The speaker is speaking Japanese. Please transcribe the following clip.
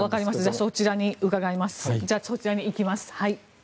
そちらに行きます。